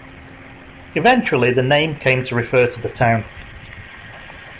Eventually the name came to refer to the town.